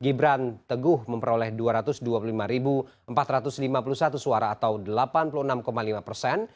gibran teguh memperoleh dua ratus dua puluh lima empat ratus lima puluh satu suara atau delapan puluh enam lima persen